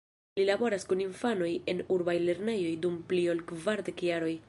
Li laboras kun infanoj en urbaj lernejoj dum pli ol kvardek jaroj.